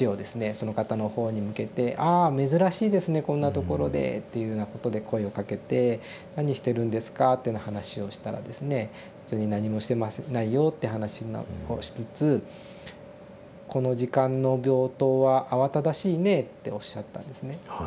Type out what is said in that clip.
そのかたのほうに向けて「ああ珍しいですねこんなところで」っていうようなことで声をかけて「何してるんですか？」というような話をしたらですね「別に何もしてないよ」って話をしつつ「この時間の病棟は慌ただしいね」っておっしゃったんですね。